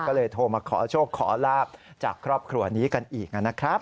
ก็เลยโทรมาขอโชคขอลาบจากครอบครัวนี้กันอีกนะครับ